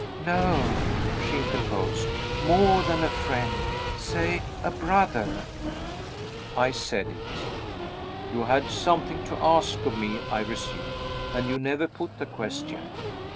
"No," she interposed; "more than a friend; say a brother." I said it. "You had something to ask of me," I resumed, "and you never put the question."